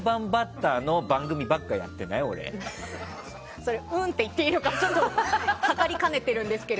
それ、うんって言っていいのか図りかねてるんですけど。